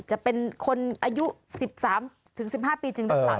จะเป็นคนอายุ๑๓๑๕ปีจริงหรือเปล่า